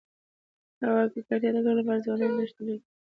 د هوا د ککړتیا د کمولو لپاره ځوانان نوښتونه کوي.